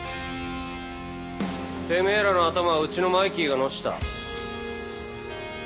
てめえらの頭はうちのマイキーがノシた。